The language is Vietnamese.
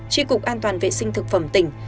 tri cục an toàn vệ sinh thực phẩm tỉnh